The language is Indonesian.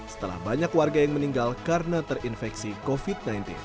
setelah banyak warga yang meninggal karena terinfeksi covid sembilan belas